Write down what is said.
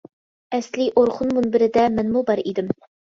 ئەسلىي ئورخۇن مۇنبىرىدە مەنمۇ بار ئىدىم.